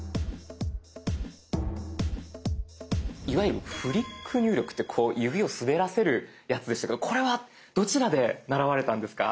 いわゆるフリック入力ってこう指を滑らせるやつでしたけれどこれはどちらで習われたんですか？